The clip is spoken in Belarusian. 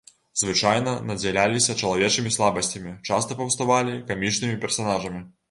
Звычайна надзяляліся чалавечымі слабасцямі, часта паўставалі камічнымі персанажамі.